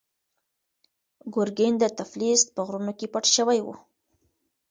ګورګین د تفلیس په غرونو کې پټ شوی و.